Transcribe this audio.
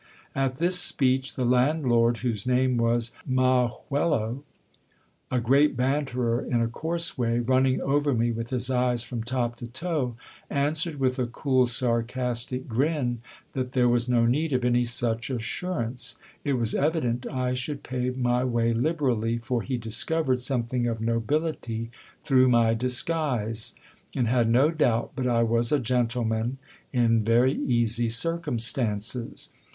At this speech, the landlord, whose name was Ma juelo, a great banterer in a coarse way, running over me with his eyes from top to toe, answered with a cool, sarcastic grin, that there was no need of any such assurance ; it was evident I should pay my way liberally, for he discovered something of nobility through my disguise, and had no doubt but I was a gentle man in very easy circumstances.